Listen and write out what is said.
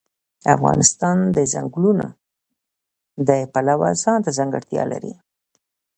افغانستان د ځنګلونه د پلوه ځانته ځانګړتیا لري.